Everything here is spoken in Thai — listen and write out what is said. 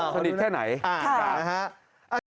อ๋อสนิทแค่ไหนค่ะ